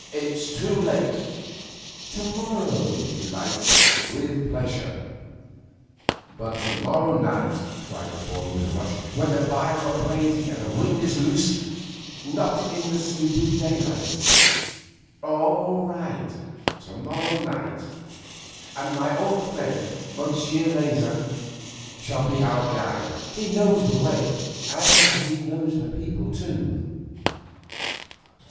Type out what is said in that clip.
'It's too late. To morrow, if you like with pleasure.' 'But to morrow night,' cried the boy with a rush, 'when the fires are blazing and the wind is loose. Not in the stupid daylight.' 'All right. To morrow night. And my old friend, Monsieur Leysin, shall be our guide. He knows the way, and he knows the people too.